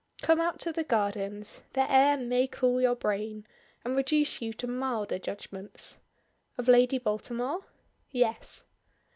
"Come out to the gardens, the air may cool your brain, and reduce you to milder judgments." "Of Lady Baltimore?" "Yes."